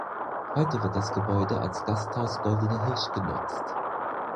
Heute wird das Gebäude als Gasthaus Goldener Hirsch genutzt.